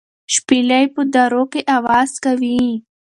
شپېلۍ په درو کې اواز کوي.